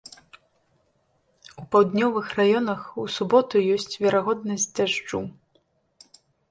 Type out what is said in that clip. У паўднёвых раёнах у суботу ёсць верагоднасць дажджу.